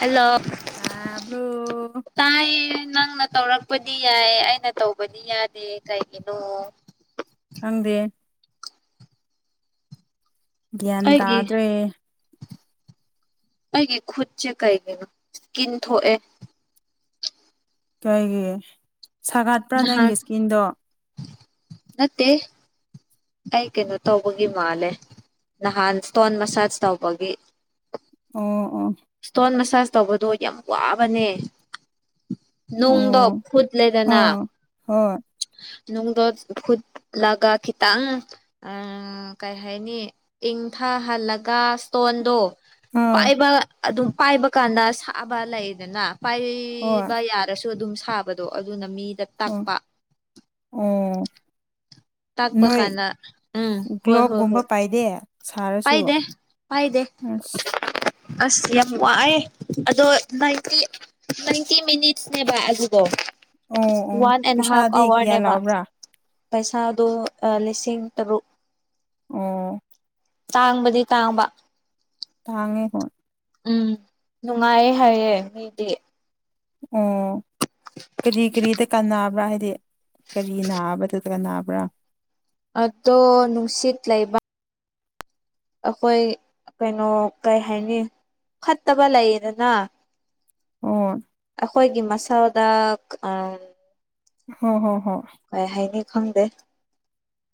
hello ꯇꯥꯕ꯭ꯔꯣ ꯇꯥꯏ ꯅꯪ ꯇꯧꯔꯛꯄꯗꯤ ꯌꯥꯏ ꯑꯩꯅ ꯇꯧꯕꯗꯤ ꯌꯥꯗꯦ ꯀꯩꯒꯤꯅꯣ ꯊꯪꯗꯦ ꯒ꯭ꯌꯥꯟ ꯑꯩꯒꯤ ꯇꯥꯗ꯭ꯔꯦ ꯑꯩꯒꯤ ꯈꯨꯠꯁꯦ ꯀꯩꯒꯤꯅꯣ ꯁꯀꯤꯟ ꯊꯣꯛꯑꯦ ꯀꯩꯒꯤ ꯁꯥꯒꯠꯄ꯭ꯔꯥ ꯅꯍꯥꯟ ꯅꯪꯒꯤ ꯏꯁꯀꯤꯟꯗꯣ ꯅꯠꯇꯦ ꯑꯩ ꯀꯩꯅꯣ ꯇꯧꯕꯒꯤ ꯃꯥꯜꯂꯦ ꯅꯍꯥꯟ ꯏꯁꯇꯣꯟ ꯃꯁꯥꯖ ꯇꯧꯕꯒꯤ ꯎꯝ ꯏꯁꯇꯣꯟ ꯃꯁꯥꯁ ꯇꯧꯕꯗꯨꯣ ꯌꯥꯝ ꯋꯥꯕꯅꯦ ꯅꯣꯡꯗ ꯑꯣ ꯐꯨꯗꯂꯦꯗꯅ ꯑꯥ ꯍꯣꯏ ꯅꯨꯡꯗꯣ ꯈꯨꯠꯂꯒ ꯈꯤꯇꯪ ꯀꯩ ꯍꯥꯏꯅꯤꯪ ꯄꯟꯊꯍꯜꯂꯒ ꯏꯁ꯭ꯇꯣꯟꯗꯣ ꯑꯥ ꯄꯥꯏꯕ ꯑꯗꯨꯝ ꯄꯥꯏꯕ ꯀꯥꯟꯗ ꯁꯥꯕ ꯂꯩꯗꯅ ꯍꯣꯏ ꯄꯥꯏꯕ ꯌꯥꯔꯁꯨ ꯑꯗꯨꯝ ꯁꯥꯕꯗꯣ ꯑꯗꯨꯅ ꯃꯤꯗ ꯑꯣ ꯇꯥꯛꯄ ꯑꯣ ꯇꯥꯛꯄ ꯅꯣꯏ ꯀꯥꯟꯗ ꯎꯝ ꯍꯣꯏ ꯍꯣꯏ ꯒ꯭ꯂꯣꯞꯒꯨꯝꯕ ꯍꯣꯏ ꯄꯥꯏꯗꯦ ꯁꯥꯔꯁꯨ ꯄꯥꯏꯗꯦ ꯄꯥꯏꯗꯦ ꯑꯁ ꯑꯁ ꯌꯥꯝ ꯋꯥꯑꯦ ꯑꯗꯣ ꯗꯤ ꯇ꯭ꯏꯟꯇꯤ ꯃꯤꯅꯤꯠꯁꯅꯦꯕ ꯑꯕꯣ ꯑꯣ ꯑꯣ ꯋꯥꯟ ꯑꯦꯟ ꯍꯥꯐ ꯄꯩꯁꯥꯗꯤ ꯀꯌꯥ ꯑꯋꯥꯔꯅꯦꯕ ꯂꯥꯎꯕ꯭ꯔꯥ ꯄꯩꯁꯥ ꯑꯗꯨ ꯂꯤꯁꯤꯡꯔꯨ ꯑꯣ ꯇꯥꯡꯕꯗꯤ ꯇꯥꯡꯕ ꯇꯥꯡꯉꯦ ꯍꯣ ꯎꯝ ꯅꯨꯡꯉꯥꯏꯌꯦ ꯍꯥꯏꯌꯦꯦ ꯃꯤꯗꯤ ꯑꯣ ꯀꯔꯤ ꯀꯔꯤꯗ ꯀ ꯔꯍꯤ ꯀꯔꯤ ꯅꯥꯕ ꯇꯠꯒ ꯅꯥꯕ꯭ꯔꯥ ꯑꯗꯨꯣ ꯅꯨꯡꯁꯤꯠ ꯂꯩ ꯂꯩꯕ ꯑꯩꯈꯣꯏ ꯀꯩꯅꯣ ꯀꯩ ꯍꯥꯏꯅꯤ ꯐꯠꯇꯕ ꯂꯩꯌꯦꯗꯅ ꯑꯣ ꯑꯩꯈꯣꯏꯒꯤ ꯃꯁꯥꯎꯗꯥꯛ ꯑ ꯍ ꯍꯣ ꯍꯣꯏ ꯀꯩ ꯍꯥꯏꯅꯤ ꯈꯪꯗꯦ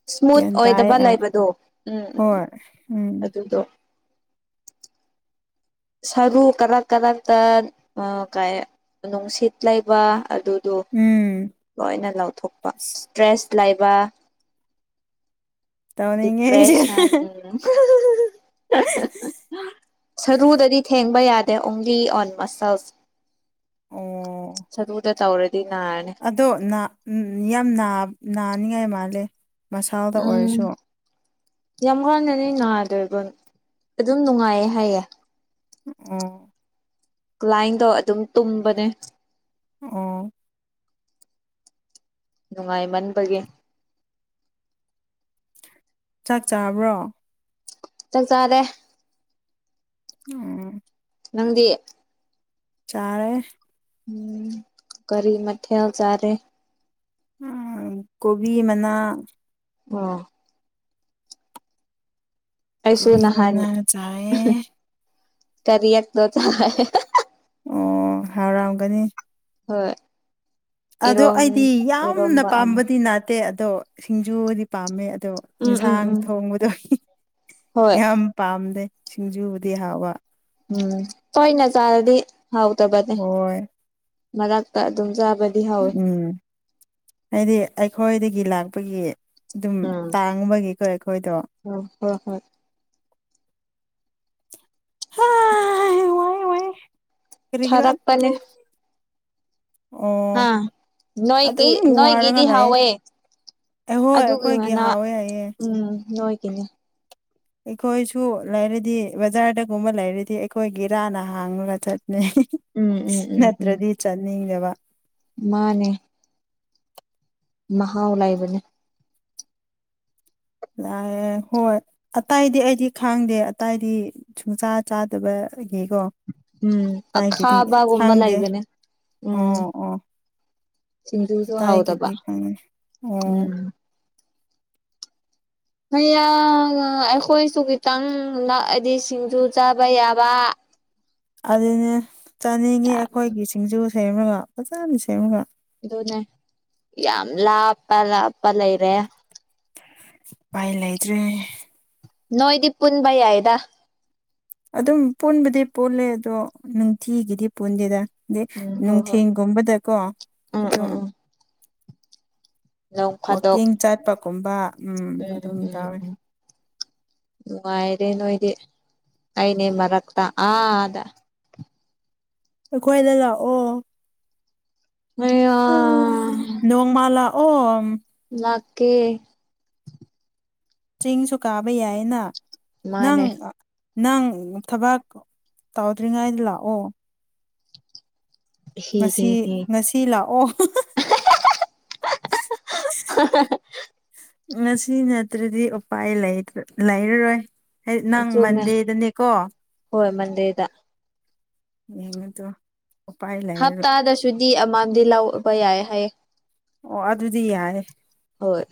ꯏꯁꯃꯨꯠ ꯒ꯭ꯌꯥꯟ ꯇꯥꯏ ꯑꯣꯏꯗꯕ ꯑꯩ ꯂꯩꯕꯗꯣ ꯎꯝ ꯎꯝ ꯎꯝ ꯍꯣꯏ ꯎꯝ ꯑꯗꯨꯗꯣ ꯁꯔꯨ ꯀꯔꯛ ꯀꯔꯛꯇ ꯀ ꯅꯨꯡꯁꯤꯠ ꯂꯩꯕ ꯑꯗꯨ ꯑꯗꯨ ꯎꯝ ꯂꯣꯏꯅ ꯂꯧꯊꯣꯛꯄ ꯏꯁꯇ꯭ꯔꯦꯁ ꯂꯩꯕ ꯇꯧꯅꯤꯡꯉꯦ ꯑꯩꯁꯨ ꯗꯤꯄ꯭ꯔꯦꯁꯟ ꯎꯝ ꯁꯔꯨꯗꯗꯤ ꯊꯦꯡꯕ ꯌꯥꯔꯦ ꯗ ꯑꯣꯡꯂꯤ ꯑꯣꯟ ꯃꯁꯜ ꯑꯣ ꯆꯗ ꯇꯧꯔꯁ ꯑꯗꯣ ꯌꯥꯝ ꯅꯥꯅꯤꯡꯉꯥꯏ ꯃꯥꯜꯂꯦ ꯃꯁꯥꯗ ꯎꯝ ꯑꯣꯏꯔꯁꯨ ꯌꯥꯝ ꯋꯥꯅꯅꯦ ꯉꯅꯥꯗꯣꯏꯕꯣ ꯑꯗꯨꯝ ꯅꯨꯡꯉꯥꯏꯌꯦ ꯍꯥꯏꯌꯦꯦ ꯎꯝ ꯀ꯭ꯂꯥꯏꯟꯗꯣ ꯑꯗꯨꯝ ꯇꯨꯝꯕꯅꯦ ꯑ ꯅꯨꯡꯉꯥꯏꯃꯟꯕꯒꯤ ꯆꯥꯛ ꯆꯥꯕ꯭ꯔꯣ ꯆ ꯆꯥꯗ ꯎꯝ ꯅꯪꯗꯤ ꯆꯥꯔꯦ ꯎꯝ ꯀꯔꯤ ꯃꯊꯜ ꯆꯔꯦ ꯎꯝ ꯀꯣꯕꯤ ꯃꯅꯥ ꯑ ꯀꯁꯨ ꯀꯣꯕꯤ ꯃꯅꯥ ꯅꯍꯅꯤ ꯆꯥꯏꯌꯦ ꯇꯔꯤꯗꯣ ꯆꯦ ꯑꯣ ꯍꯔꯝꯒꯅꯤ ꯍꯣꯏ ꯑꯗꯣ ꯏꯔꯣꯝ ꯑꯩꯗꯤ ꯌꯥꯝꯅ ꯏꯔꯣꯝꯕ ꯑꯃ ꯄꯥꯝꯕꯗꯤꯅ ꯇꯦ ꯑꯗꯣ ꯁꯤꯡꯖꯨꯗꯤ ꯄꯥꯝꯃꯦ ꯑꯗꯣ ꯎꯝ ꯎꯝ ꯌꯦꯟꯁꯥꯡ ꯎꯝ ꯊꯣꯡꯕꯗꯣ ꯍꯣꯏ ꯌꯥꯝ ꯄꯥꯝꯗꯦ ꯁꯤꯡꯖꯨꯕꯨꯗꯤ ꯍꯥꯎꯕ ꯎꯝ ꯀꯣꯏꯅ ꯆꯥꯔꯗꯤ ꯍꯥꯎꯗꯕꯅꯦ ꯍꯣꯏ ꯃꯅꯥꯛꯇ ꯑꯗꯨꯝ ꯆꯥꯕ ꯎꯝ ꯍꯥꯏꯗꯤ ꯑꯩꯈꯣꯏꯗꯒꯤ ꯂꯥꯛꯄꯒꯤ ꯑꯗꯨꯝ ꯎꯝ ꯇꯥꯡꯕꯒꯤꯀꯣ ꯑꯩꯈꯣꯏꯗꯣ ꯎꯝ ꯍꯣꯏ ꯍꯣꯏ ꯋꯥꯏ ꯋꯥꯏ ꯀꯔꯤꯒꯤꯔ ꯈꯔꯥꯛ ꯄꯅꯦ ꯑꯗꯨꯝ ꯑꯣ ꯑꯥ ꯅꯣꯏꯒꯤ ꯑꯗꯨꯝ ꯋꯥꯔꯒ ꯅꯣꯏꯒꯗꯤ ꯂꯩꯌꯦ ꯍꯋꯦ ꯑꯩꯍꯣꯏ ꯑꯗꯨꯒꯤ ꯑꯩꯈꯣꯏꯒꯤ ꯃꯅꯥ ꯍꯥꯎꯋꯦ ꯍꯥꯏꯌꯦ ꯎꯝ ꯅꯣꯏꯒꯤꯅꯦ ꯑꯩꯈꯣꯏꯁꯨ ꯂꯩꯔꯗꯤ ꯕꯖꯥꯔꯗꯒꯨꯝꯕ ꯂꯩꯔꯗꯤ ꯑꯩꯈꯣꯏꯒꯤꯔꯥꯟꯅ ꯍꯥꯡꯉꯒ ꯆꯠ ꯎꯝ ꯎꯝ ꯎꯝ ꯎꯝ ꯅꯠꯇ꯭ꯔꯗꯤ ꯆꯠꯅꯤꯡꯗꯕ ꯃꯥꯅꯦ ꯃꯍꯥꯎ ꯂꯩꯕꯅꯦ ꯂꯥꯛꯑꯦ ꯍꯣꯏ ꯑꯇꯏꯗꯤ ꯑꯩꯗꯤ ꯈꯥꯡꯗꯦ ꯑꯇꯏꯗꯤ ꯁꯨꯡꯆꯥꯥ ꯆꯥꯗꯕ ꯒꯣ ꯎꯝ ꯇꯥꯏꯒꯤꯗꯤ ꯑꯈꯥꯕꯒꯨꯝꯕ ꯁꯥꯡꯗꯦ ꯂꯩꯕꯅꯦ ꯎꯝ ꯑꯣ ꯑꯣ ꯁꯤꯡꯖꯨꯁꯨ ꯄꯇꯥꯏ ꯀ ꯍꯥꯎꯗꯕ ꯈ ꯑꯣ [unintelligible] ꯎꯝ ꯍꯡ ꯑꯩꯈꯣꯏꯁꯨ ꯈꯤꯇꯪ ꯍꯥꯏꯗꯤ ꯁꯤꯡꯖꯨ ꯆꯥꯕ ꯌꯥꯕ ꯑꯗꯨꯅꯦ ꯆꯥꯅꯤꯡꯉꯤ ꯌꯥꯝ ꯑꯩꯈꯣꯏꯒꯤ ꯁꯤꯡꯖꯨ ꯁꯦꯝꯃꯒ ꯐꯖꯅ ꯁꯦꯝꯃꯒ ꯌꯥꯝ ꯂꯥꯞꯄ ꯂꯥꯞꯄ ꯂꯩꯔꯦ ꯎꯄꯥꯏ ꯂꯩꯇ꯭ꯔꯦ ꯅꯣꯏꯗꯤ ꯄꯨꯨꯟꯕꯥ ꯌꯥꯏꯗ ꯑꯗꯨꯝ ꯄꯨꯟꯕꯗꯤ ꯄꯨꯜꯂꯦ ꯑꯗꯣ ꯅꯨꯡꯊꯤꯒꯤꯗꯤ ꯄꯨꯟꯗꯦꯗ ꯑꯗꯩ ꯎꯝ ꯍꯣꯏ ꯍꯣꯏ ꯅꯨꯡꯊꯤꯟꯒꯨꯝꯕꯗꯀꯣ ꯎꯝ ꯎꯝ ꯑꯗꯨꯝ ꯎꯝ ꯅꯣꯡ ꯐꯥꯗꯣꯛ ꯋꯥꯛꯀꯤꯡ ꯆꯥꯠꯄꯒꯨꯝꯕ ꯎꯝ ꯎꯝ ꯎꯝ ꯅꯨꯡꯉꯥꯏꯔꯦ ꯅ [unintelligible] [unintelligible] ꯑꯅꯦ ꯃꯔꯛꯇ ꯑꯗ ꯑꯩꯈꯣꯏꯗ ꯂꯥꯛꯑꯣ ꯑꯌꯥ ꯅꯣꯡꯃ ꯂꯛꯑꯣ ꯂꯛꯀꯦ ꯆꯤꯡꯁꯨ ꯀꯥꯕ ꯌꯥꯏꯅ ꯅꯪ ꯃꯥꯅꯦ ꯅꯪ ꯊꯕꯛ ꯇꯧꯗ꯭ꯔꯤꯉꯩꯗ ꯂꯥꯛꯑꯣ ꯍꯤ ꯍꯤ ꯉꯁꯤ ꯍꯤ ꯉꯁꯤ ꯂꯥꯛꯑꯣ [unintelligible] ꯉꯁꯤ ꯅꯠꯇ꯭ꯔꯗꯤ ꯎꯄꯥꯏ ꯂꯩꯔꯔꯣꯏ ꯅꯪ ꯆꯨꯝꯃꯦ ꯃꯟꯗꯦꯗꯅꯦꯀꯣ ꯍꯣꯏ ꯃꯟꯗꯦꯗ [unintelligible] [inaudible] ꯂꯩꯔꯔꯣꯏ ꯍꯞꯇꯥꯗꯁꯨꯗꯤ ꯑꯃꯝꯗꯤ ꯂꯧꯕ ꯌꯥꯏ ꯍꯥꯏꯌꯦ ꯑꯣ ꯑꯗꯨꯗꯤ ꯌꯥꯏ ꯍꯣꯏ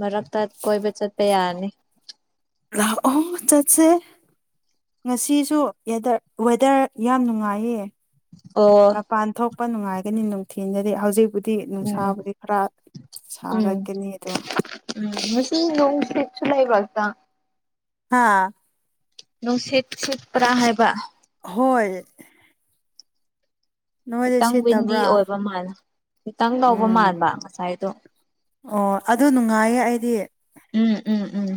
ꯃꯔꯛꯇ ꯀꯣꯏꯕ ꯆꯠꯄ ꯌꯥꯅꯤ ꯂꯛꯑꯣ ꯆꯠꯁꯦ ꯉꯁꯤꯁꯨꯗ ꯋꯦꯗꯔ ꯌꯥꯝ ꯅꯨꯡꯉꯥꯏꯌꯦ ꯑꯣ ꯃꯄꯥꯟ ꯊꯣꯛꯄ ꯅꯨꯡꯉꯥꯏꯒꯅꯤ ꯅꯨꯡꯊꯤꯖꯗꯤ ꯍꯧꯖꯤꯛꯗꯤ ꯗꯤ ꯎꯝ ꯅꯨꯡꯁꯥꯕꯨꯗꯤ ꯈꯔ ꯁꯥꯒꯠꯀꯅꯤ ꯑꯗꯣ ꯁꯤ ꯅꯣꯡꯁꯤꯁꯨ ꯂꯩꯥꯏꯕꯥꯛꯇ ꯍꯥꯥ ꯅꯨꯡꯁꯤꯠ ꯁꯤꯠꯄ꯭ꯔꯥ ꯍꯥꯏꯕ ꯍꯣꯏ ꯅꯣꯏꯗ ꯈꯤꯇꯪ ꯋꯤꯟꯗꯤ ꯁꯤꯠꯇꯕ꯭ꯔꯥ ꯑꯣꯏꯕ ꯃꯥꯜꯂ ꯈꯤꯇꯪ ꯂꯧꯕ ꯎꯝ ꯃꯥꯟꯕ ꯉꯁꯥꯏꯗꯣ ꯑꯣ ꯑꯗꯨ ꯅꯨꯡꯉꯥꯏꯌꯦ ꯑꯩ ꯎꯝ ꯎꯝ ꯎꯝ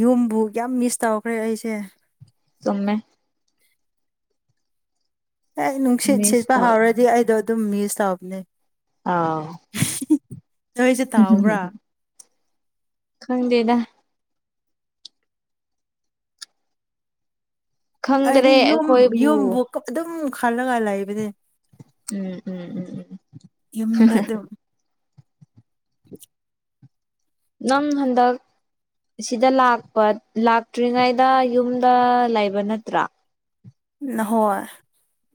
ꯌꯨꯝꯕꯨ ꯌꯥꯝ ꯃꯤꯁ ꯇꯧꯈ꯭ꯔꯦ ꯑꯩꯁꯦ ꯁꯨꯝꯃꯦ ꯍ ꯅꯨꯡꯁꯤꯠ ꯃꯤꯁ ꯁꯤꯠꯄ ꯍꯧꯥꯎꯔꯗꯤ ꯑꯩꯗꯣ ꯑꯗꯨꯝ ꯃꯤꯁ ꯇꯧꯕꯅꯦ ꯑꯥ ꯆꯣꯏꯁꯦ ꯇꯥꯕ꯭ꯔꯥ ꯈꯪꯗꯦꯗ ꯍꯥꯏꯗꯤ ꯈꯪꯗ꯭ꯔꯦ ꯌꯣꯝ ꯑꯩꯈꯣꯏꯕꯨ ꯌꯣꯝꯕꯨ ꯑꯗꯨꯝ ꯈꯜꯂꯒ ꯂꯥꯛꯏꯕꯅꯦ ꯎꯝ ꯎꯝ ꯎꯝ ꯌꯨꯝꯗ ꯎꯝ ꯑꯗꯨꯝ ꯅꯪ ꯍꯟꯗ ꯑꯁꯤꯗ ꯂꯥꯛꯄ ꯂꯥꯛꯇ꯭ꯔꯤꯉꯩꯗ ꯌꯨꯝꯗ ꯂꯩꯕ ꯅꯠꯇ꯭ꯔꯥ ꯍꯣꯏ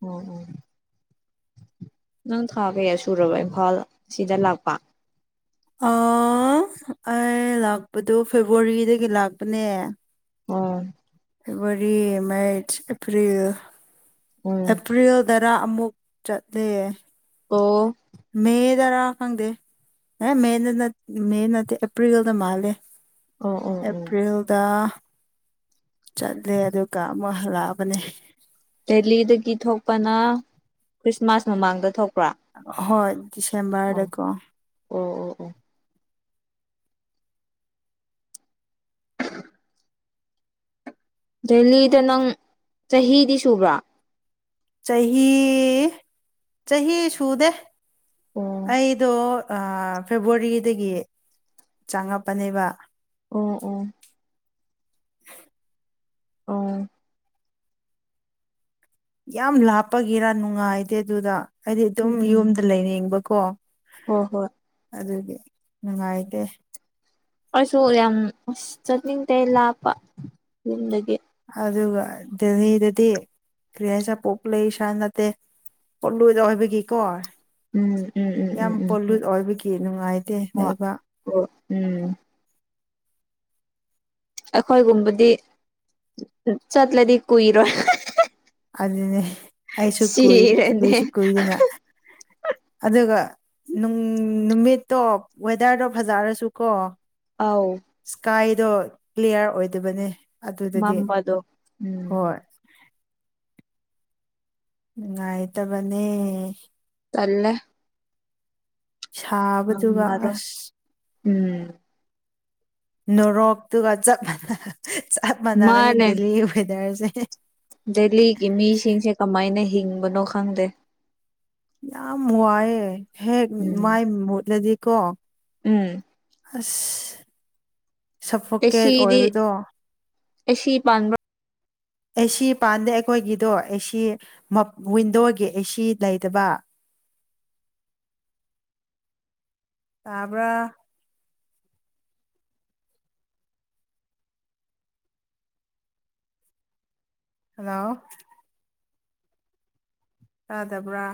ꯑꯣ ꯑꯣ ꯅꯪ ꯊꯥ ꯀꯌꯥ ꯁꯨꯔꯕ ꯏꯝꯐꯥꯜ ꯁꯤꯗ ꯂꯥꯛꯄ ꯑ ꯑꯩ ꯂꯥꯛꯄꯗꯣ ꯐꯦꯕꯋꯥꯔꯤꯗꯒꯤ ꯂꯥꯛꯄꯅꯦ ꯎꯝ ꯐꯦꯕꯋꯥꯔꯤ ꯃꯥꯔꯆ ꯑꯦꯄ꯭ꯔꯔꯤꯜ ꯎꯝ ꯑꯦꯄ꯭ꯜꯗ ꯈꯔꯥ ꯑꯃꯨꯛ ꯆꯠꯂꯦ ꯑꯣꯣ ꯃꯗ ꯔꯥ ꯈꯪꯗ ꯑꯦ ꯃꯦꯅ ꯃꯦ ꯅꯠꯇ ꯑꯦꯄ꯭ꯔꯤꯜꯗ ꯃꯥꯂꯦ ꯑꯣ ꯑꯣ ꯎꯝ ꯑꯦꯄ꯭ꯔꯔꯤꯜꯗ ꯆꯠꯂꯦ ꯑꯗꯨꯒ ꯑꯃ ꯍ ꯂꯛꯑꯕꯅꯦ ꯗꯦꯂꯤꯗꯒꯤ ꯊꯣꯛꯄꯅ ꯈ꯭ꯔꯤꯁꯃꯥꯁ ꯃꯃꯥꯡꯗ ꯊꯣꯛꯄ ꯍꯣꯏ ꯗꯤꯁꯦꯝꯕꯔꯗꯀꯣ ꯑꯣ ꯑꯣ ꯑꯣ ꯗꯦꯂꯤꯗ ꯅꯪ ꯆꯍꯤꯗꯤ ꯁꯨꯕ꯭ꯔꯥ ꯆꯍꯤ ꯆꯍꯤ ꯁꯨꯗꯦ ꯑꯣ ꯑꯩꯗꯣ ꯐꯦꯕꯋꯥꯔꯤꯗꯒꯤ ꯆꯪꯉꯛꯄꯅꯦꯕ ꯑꯣ ꯑꯣ ꯎ ꯌꯥꯝ ꯂꯥꯞꯄꯒꯤꯔ ꯅꯨꯡꯉꯥꯏꯗꯦ ꯑꯗꯨꯗ ꯍꯥꯏꯗꯤ ꯑꯗꯨꯝ ꯎꯝ ꯌꯨꯝꯗ ꯂꯩꯅꯤꯡꯕꯀꯣ ꯍꯣꯏ ꯍꯣꯏ ꯑꯗꯨꯒꯤ ꯅꯨꯡꯥꯏꯗꯦ ꯑꯩꯁꯨ ꯌꯥꯝ ꯆꯠꯅꯤꯡꯗꯦ ꯂꯥꯞꯄꯨꯝꯗꯒꯤ ꯑꯗꯨꯒ ꯗꯦꯜꯂꯤꯗꯗꯤ ꯀ꯭ꯔꯤꯌꯥꯁ ꯄꯣꯛꯄ ꯂꯩ ꯏꯁꯥ ꯅꯠꯇꯦ ꯄꯣꯠꯂꯣꯏꯗꯧ ꯍꯥꯏꯕꯒꯤꯀꯣ ꯎꯝ ꯎꯝ ꯎꯝ ꯌꯥꯝ ꯎꯝ ꯎꯝ ꯎꯝ ꯄꯣꯂꯨꯠ ꯑꯣꯏꯕꯒꯤ ꯅꯨꯡꯉꯥꯏꯇꯦ ꯍꯣꯏ ꯂꯩꯕꯥꯛ ꯍꯣꯏ ꯎꯝ ꯑꯩꯈꯣꯏꯒꯨꯝꯕꯗꯤ ꯆꯠꯂꯗꯤ ꯀꯨꯏꯔꯣꯏ ꯑꯗꯨꯅꯦ ꯑꯩꯁꯨ ꯀꯨꯏ ꯁꯤꯔꯅꯤ ꯏꯀꯨꯏꯁꯨ ꯀꯨꯏꯗꯅ ꯑꯗꯨꯒꯅꯨꯡ ꯅꯨꯃꯤꯠꯇꯣ ꯋꯦꯗꯔꯗꯣ ꯐꯖꯔꯁꯨ ꯀꯣ ꯑꯥꯎ ꯑꯗꯣ ꯀ꯭ꯂꯤꯌꯥꯔ ꯑꯣꯏꯗꯕꯅꯦ ꯑꯗꯨꯗꯗꯤ ꯃꯝꯕꯗꯣ ꯎꯝ ꯍꯣꯏ ꯎꯉꯥꯏ ꯇ ꯃꯅꯤ ꯆꯂꯦ ꯁꯥꯕꯗꯨꯒ ꯑꯁ ꯎꯝ ꯅꯨꯣꯔꯣꯛꯇꯨꯒ ꯆꯞ ꯃꯥꯟꯅ ꯆꯞ ꯃꯥꯟꯅꯒꯅꯤ ꯃꯥꯅꯦ ꯗꯦꯜꯂꯤ ꯋꯦꯗꯔꯁꯦ ꯗꯦꯜꯂꯤꯒꯤ ꯃꯤꯁꯤꯡꯁꯦ ꯀꯃꯥꯏꯅ ꯍꯤꯡꯕꯅꯣ ꯈꯪꯗꯦ ꯌꯥꯝ ꯋꯥꯏꯑꯦ ꯍꯦꯛ ꯎꯝ ꯃꯥꯏ ꯃꯨꯠꯂꯗꯤꯀꯣ ꯎꯝ ꯑꯥꯁꯖ ꯁꯐꯣꯀꯦꯠ ꯑꯣꯏꯕꯗꯣꯅꯤ ꯑꯁꯤꯁꯤ ꯄꯥꯟꯕꯔꫭ ꯑꯦꯁꯤ ꯄꯥꯟꯗꯦ ꯑꯩꯈꯣꯏꯒꯤꯗꯣ ꯑꯦꯁꯤ ꯌꯥꯟꯗꯣꯒꯤ ꯑꯦꯁꯤ ꯂꯩꯇꯕ ꯇꯥꯕꯔꯥ ꯍꯥꯎꯂꯣ ꯌꯇꯥꯗꯕ꯭ꯔꯥ